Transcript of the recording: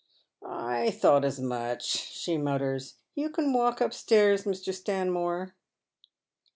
" I thouglit as mu<.a," she mutters. " You can walk upstairs, Mr. Stanmore."